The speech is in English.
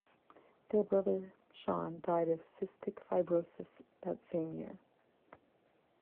Their brother, Sean, died of cystic fibrosis that same year.